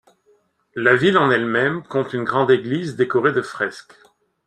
La ville en elle-même compte une grande église décorée de fresques.